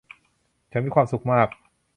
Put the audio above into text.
ฉันมีความสุขมาก